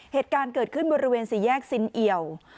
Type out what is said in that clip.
เหตุการณ์เกิดขึ้นบริเวณสี่แยกซินเอี่ยว